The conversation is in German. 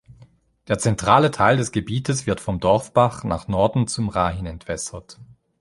Der zentrale Teil des Gebietes wird vom Dorfbach nach Norden zum Rahin entwässert.